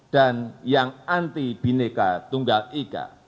dan yang anti binneka tunggal ika